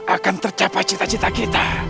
akan tercapai cita cita kita